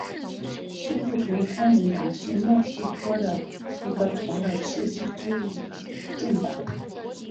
社会主义工人党是墨西哥的一个托洛茨基主义政党。